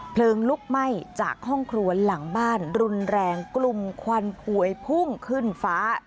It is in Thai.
เพลิงลุกไหม้จากห้องครัวหลังบ้านรุนแรงกลุ่มควันพวยพุ่งขึ้นฟ้า